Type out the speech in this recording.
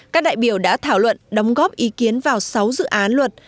các đại biểu đã thảo luận đóng góp ý kiến vào sáu dự án luật